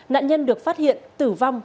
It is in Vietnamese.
nạn nhân được phát hiện tử vong